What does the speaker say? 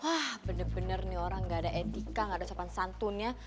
ah bener bener nih orang gak ada etika gak ada ucapan santunnya